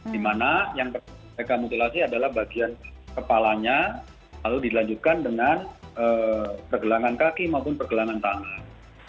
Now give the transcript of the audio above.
di mana yang mereka mutilasi adalah bagian kepalanya lalu dilanjutkan dengan pergelangan kaki maupun pergelangan tangan